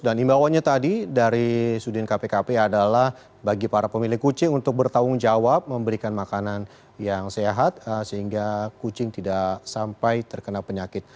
dan imbauannya tadi dari sudin kpkp adalah bagi para pemilik kucing untuk bertanggung jawab memberikan makanan yang sehat sehingga kucing tidak sampai terkena penyakit